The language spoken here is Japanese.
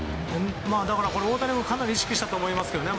大谷もかなり意識したと思いますけどね。